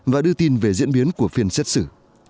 và đưa tin về diễn biến của phiên xét xử